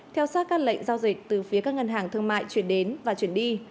theo sát các lệnh giao dịch từ phía các ngân hàng thương mại chuyển đến và chuyển đi